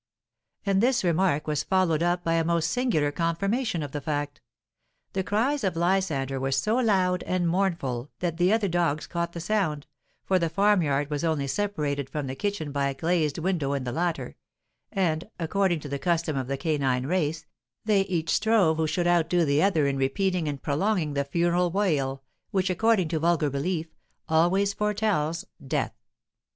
And this remark was followed up by a most singular confirmation of the fact; the cries of Lysander were so loud and mournful that the other dogs caught the sound (for the farmyard was only separated from the kitchen by a glazed window in the latter), and, according to the custom of the canine race, they each strove who should outdo the other in repeating and prolonging the funereal wail, which, according to vulgar belief, always foretells death.